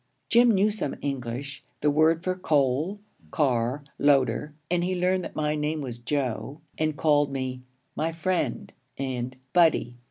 Jim knew some English: the word for coal, car, loader and he learned that my name was Joe, and called me 'My friend,' and 'buddie.'